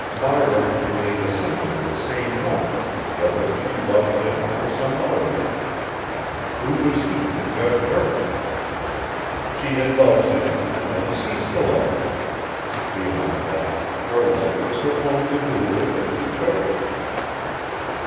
Myra remained essentially the same woman, whether she loved him or some other man. Who was he to judge her? She had loved him and then ceased to love him. Beyond that, her life was her own to do with as she chose.